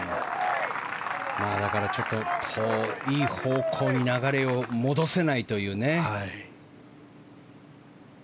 だから、ちょっといい方向に流れを戻せないというね。